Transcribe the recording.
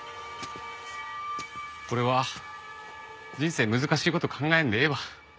俺は人生難しい事考えんでええわ。